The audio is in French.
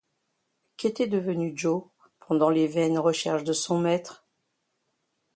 Qu’était devenu Joe pendant les vaines recherches de son maître?